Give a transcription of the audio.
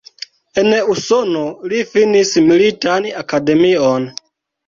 En Usono li finis Militan Akademion.